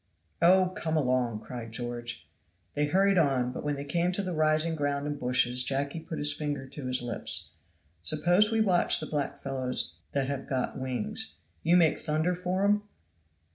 "Oh, come along!" cried George. They hurried on; but when they came to the rising ground and bushes Jacky put his finger to his lips. "Suppose we catch the black fellows that have got wings; you make thunder for them?"